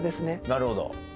なるほど。